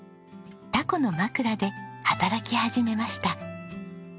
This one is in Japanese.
タコのまくらで働き始めました。